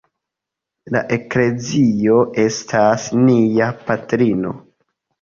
La Eklezio estas nia patrino.